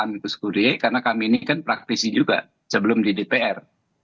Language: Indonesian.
kami mengadili soal amicus curiae karena kami ini kan praktis juga sebelum didpr